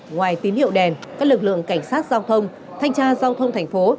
ngoài tín hiệu đèn các lực lượng cảnh sát giao thông thanh tra giao thông thành phố